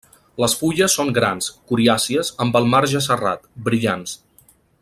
Les fulles són grans, coriàcies, amb el marge serrat, brillants.